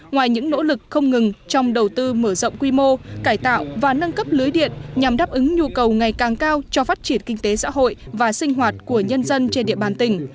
ngoài những nỗ lực không ngừng trong đầu tư mở rộng quy mô cải tạo và nâng cấp lưới điện nhằm đáp ứng nhu cầu ngày càng cao cho phát triển kinh tế xã hội và sinh hoạt của nhân dân trên địa bàn tỉnh